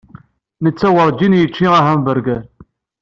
Netta werǧin yečči ahamburger.